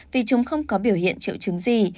vì chúng không có biểu hiện triệu chứng gì